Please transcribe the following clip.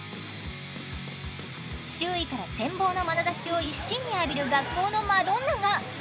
周囲から羨望のまなざしを一身に浴びる学校のマドンナが。